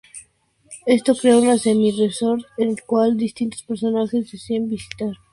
Esto crea un semi-resort, el cual distintos personajes deciden visitar.